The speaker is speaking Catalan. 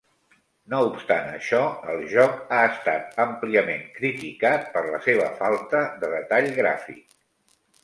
No obstant això, el joc ha estat àmpliament criticat per la seva falta de detall gràfic.